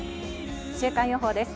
週間予報です。